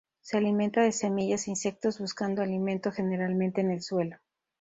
Se alimenta de semillas e insectos, buscando alimento generalmente en el suelo.